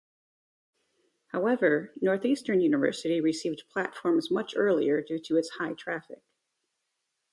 However, Northeastern University received platforms much earlier due to its high traffic.